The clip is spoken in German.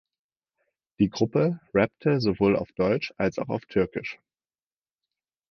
Die Gruppe rappte sowohl auf Deutsch als auch auf Türkisch.